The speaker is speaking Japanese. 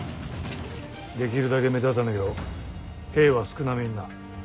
できるだけ目立たぬよう兵は少なめにな。